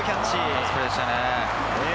ナイスプレーでしたね。